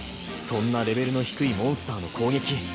そんなレベルの低いモンスターの攻撃